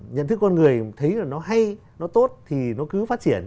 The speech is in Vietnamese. nhận thức con người thấy là nó hay nó tốt thì nó cứ phát triển